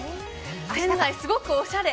店内、すごくおしゃれ。